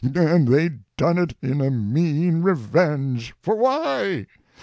And they done it in a mean revenge—for why?